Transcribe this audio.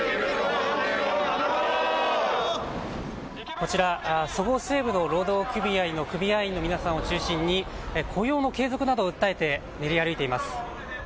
こちら、そごう・西武の労働組合の組合員の皆さんを中心に雇用の継続などを訴えて練り歩いています。